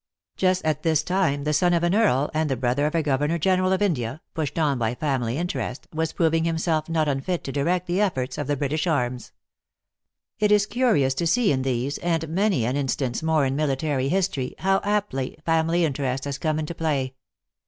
Just at this time the son of an earl, and the brother of a governor general of India, pushed on by family interest, was proving himself not unfit to direct the efforts of the British arms. It is curious to see in these, and many an instance more in military history, how aptly family interest has come into play.